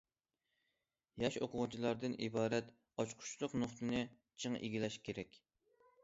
ياش ئوقۇغۇچىلاردىن ئىبارەت ئاچقۇچلۇق نۇقتىنى چىڭ ئىگىلەش كېرەك.